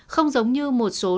không giống như một triệu chứng